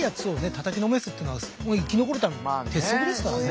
たたきのめすっていうのは生き残るための鉄則ですからね。